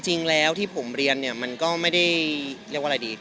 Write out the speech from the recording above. จริงแล้วที่ผมเรียนเนี่ยมันก็ไม่ได้เรียกว่าอะไรดี